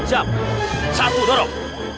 siap satu dorong